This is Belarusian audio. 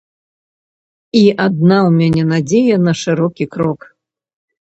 І адна ў мяне надзея на шырокі крок.